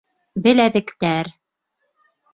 Беләҙектәр!..